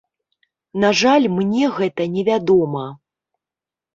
На жаль, мне гэта не вядома.